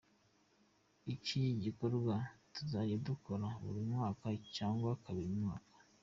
Ni igikorwa tuzajya dukora buri mwaka cyangwa kabiri mu mwaka”.